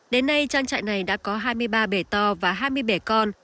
đến nay trang trại này đã có hai mươi ba bể to và hai mươi bảy con